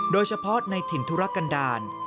โดยเฉพาะในถิ่นธุรกันดาล